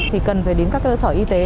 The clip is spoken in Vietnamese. thì cần phải đến các cơ sở y tế